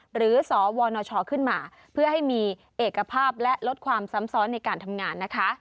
หรือสวนชขึ้นมาเพื่อให้มีเอกภาพและลดความซ้ำซ้อนในการทำงานนะคะ